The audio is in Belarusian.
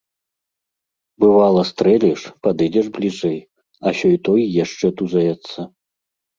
Бывала, стрэліш, падыдзеш бліжэй, а сёй-той яшчэ тузаецца.